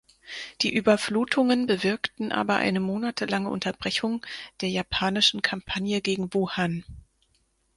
Die Überflutungen bewirkten aber eine monatelange Unterbrechung der japanischen Kampagne gegen Wuhan.